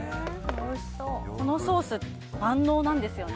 このソース、万能なんですよね。